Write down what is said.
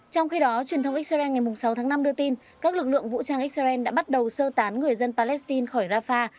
trong khi đó truyền thông israel ngày sáu tháng năm đưa tin các lực lượng vũ trang israel đã bắt đầu sơ tán người dân palestine khỏi rafah